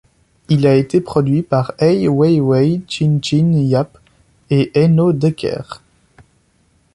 Il a été produit par Ai Weiwei, Chin-chin Yap et Heino Deckert.